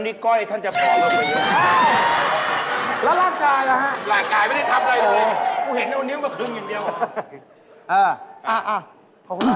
กูเห็นในวันนี้ก็คึ้งอย่างเดียว